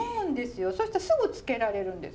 よそしたらすぐ漬けられるんです。